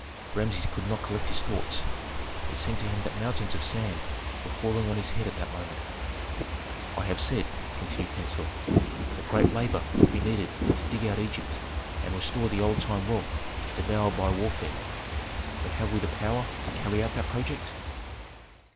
Rameses could not collect his thoughts. It seemed to him that mountains of sand were falling on his head at that moment. "I have said," continued Pentuer, "that great labor would be needed to dig out Egypt and restore the old time wealth devoured by warfare. But have we the power to carry out that project?"